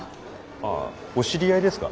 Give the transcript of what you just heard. ああお知り合いですか？